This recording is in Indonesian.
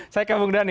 saya ke bung dhani